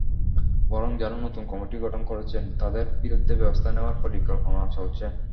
বরং যাঁরা নতুন কমিটি গঠন করেছেন, তাঁদের বিরুদ্ধে ব্যবস্থা নেওয়ার পরিকল্পনা চলছে।